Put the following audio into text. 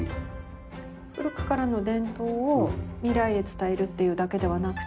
古くからの伝統を未来へ伝えるというだけではなくて。